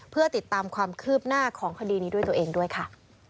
เพื่อติดตามความคืบหน้าของคดีนี้ด้วยตัวเองด้วยค่ะ